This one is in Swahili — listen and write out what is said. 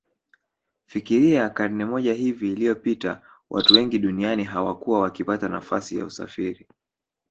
Fikiria karne moja hivi iliyopita watu wengi duniani hawakuwa wakipata nafasi ya kusafiri